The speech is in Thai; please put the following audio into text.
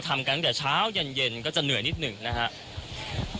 ทำกันตั้งแต่เช้าเย็นก็จะเหนื่อยนิดหนึ่งนะครับ